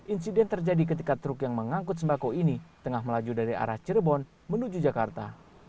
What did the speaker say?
insiden terjadi ketika truk yang mengangkut sembako ini tengah melaju dari arah cirebon menuju jakarta